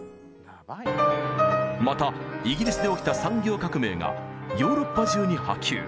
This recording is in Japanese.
またイギリスで起きた産業革命がヨーロッパ中に波及。